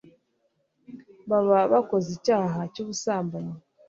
baba bakoze icyaha cy'ubusambanyi